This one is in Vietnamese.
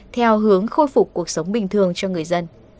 theo hướng khôi phục cuộc sống bình thường cho người dân